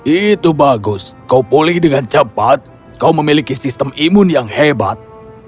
itu bagus kau pulih dengan cepat kau memiliki sistem imun yang hebat